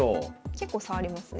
結構差ありますね。